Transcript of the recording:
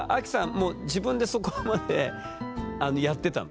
もう自分でそこまであのやってたの？